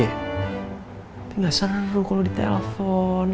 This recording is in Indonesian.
tapi nggak seru kalau di telpon